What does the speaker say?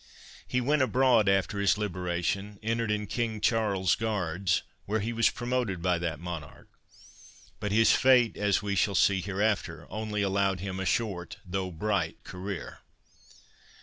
He went abroad after his liberation, entered in King Charles's Guards, where he was promoted by that monarch. But his fate, as we shall see hereafter, only allowed him a short though bright career.